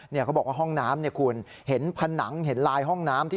เนี่ยเค้าบอกว่าห้องน้ำเนี่ยคุณเห็นผนัง